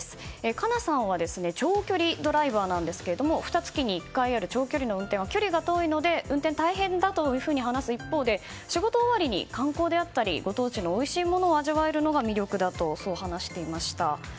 かなさんは長距離ドライバーなんですがふた月に１回ある長距離の運転は距離が遠いので運転が大変だというふうに話す一方で仕事終わりに観光であったりご当地のおいしいものを味わえるのが魅力だと話していました。